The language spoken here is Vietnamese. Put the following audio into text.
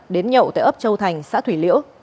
đến nhậu tại ấp châu thành xã thủy liễu